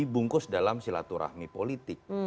dibungkus dalam silaturahmi politik